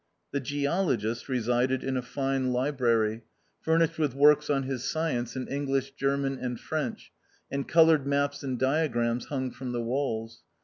The Geologist resided in a fine library, THE OUTCAST. 143 furnished with works on his science in English, German, and French, and coloured maps and diagrams hung from the walls.